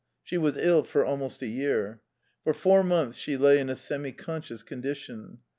She was ill for almost a year. For four months she lay in a semi conscious condition.